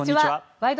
「ワイド！